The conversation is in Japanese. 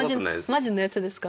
マジのやつですか？